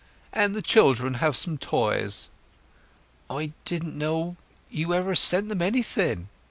"And the children have some toys." "I didn't know—you ever sent them anything!"